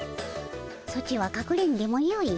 ソチはかくれんでもよい。